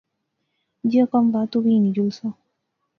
جیاں کم وہا، تو وی ہنی جولساں